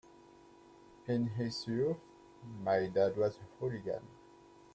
In his youth my dad was a hooligan.